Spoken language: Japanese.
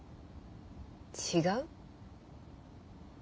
違う？